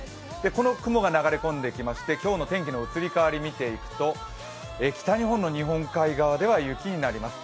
この雲が流れ込んできまして今日の天気の移り変わり見ていくと北日本の日本海側では雪になります。